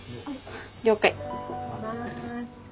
了解。